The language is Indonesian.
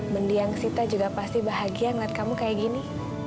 mendiang sita juga pasti bahagia melihat kamu kayak gini